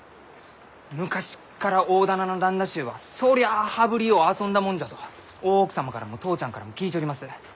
昔っから大店の旦那衆はそりゃあ羽振りよう遊んだもんじゃと大奥様からも父ちゃんからも聞いちょります。